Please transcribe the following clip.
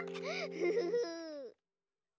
フフフ。